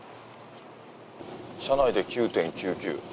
車内で９．９９。